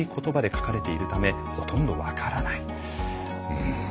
うん。